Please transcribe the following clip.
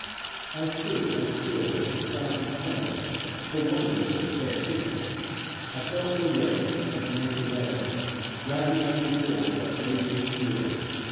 I stood as still as a startled quail, For wonder of its fair figure, I felt no rest and no travail, Ravished before such radiance pure.